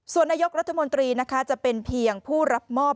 ส่วนนายกรัฐมนตรีนะคะจะเป็นเพียงผู้รับมอบ